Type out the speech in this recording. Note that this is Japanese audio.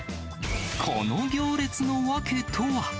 この行列の訳とは。